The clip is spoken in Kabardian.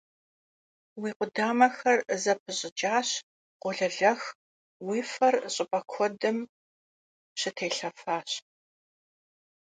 Yi khu damexer zepış'ıç'aş, kholelex, yi fer ş'ıp'e kuedım şıtêlhefaş.